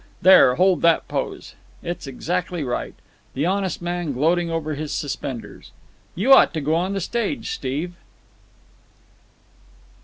There, hold that pose. It's exactly right. The honest man gloating over his suspenders. You ought to go on the stage, Steve."